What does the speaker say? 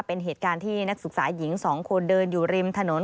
เป็นเหตุการณ์ที่นักศึกษาหญิง๒คนเดินอยู่ริมถนน